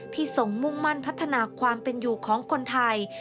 ทรงมุ่งมั่นพัฒนาความเป็นอยู่ของคนไทย